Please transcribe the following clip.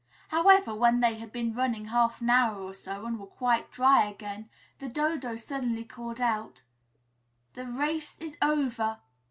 However, when they had been running half an hour or so and were quite dry again, the Dodo suddenly called out, "The race is over!"